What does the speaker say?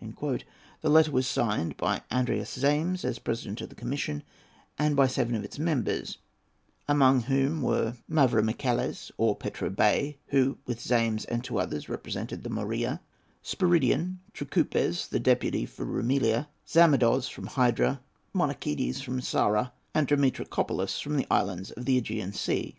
The letter was signed by Andreas Zaimes, as President of the Commission, and by seven of its members, among whom were Mavromichales, or Petro Bey, who, with Zaimes and two others, represented the Morea, Spiridion Trikoupes, the deputy for Roumelia, Zamados from Hydra, Monarchides from Psara, and Demetrakopoulos from the islands of the Egean Sea.